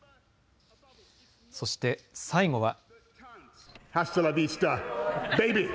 そして最後は。